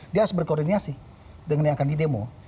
dia harus berkoordinasi dengan yang akan di demo